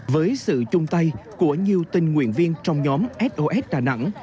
với sự chung tay của nhiều tình nguyện viên trong nhóm sos đà nẵng